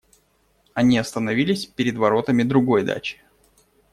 Они остановились перед воротами другой дачи.